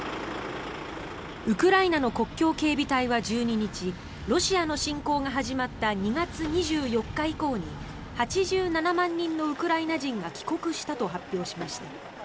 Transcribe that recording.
ウクライナの国境警備隊は１２日ロシアの侵攻が始まった２月２４日以降に８７万人のウクライナ人が帰国したと発表しました。